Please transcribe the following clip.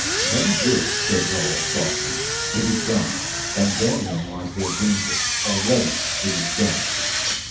"Very good," said Roal softly. "It is done, and therein lies their danger. Already it is done.